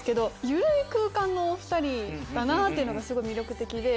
緩い空間の２人だなっていうのがすごい魅力的で。